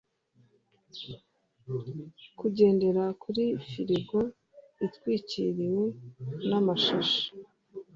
kugendera kuri firigo itwikiriwe namashashi